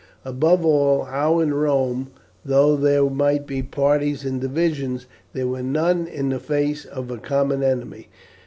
Above all, how in Rome, though there might be parties and divisions, there were none in the face of a common enemy.